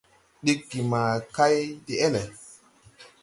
Ɗiggi ma kay de-ɛl.